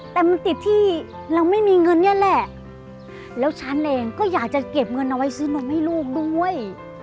แต่มันติดที่เราไม่มีเงินนี่แหละแล้วฉันเองก็อยากจะเก็บเงินเอาไว้ซื้อนมให้ลูกด้วย